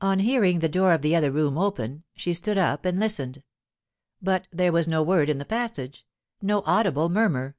On hearing the door of the other room open, she stood up and listened. But there was no word in the passage, no audible murmur.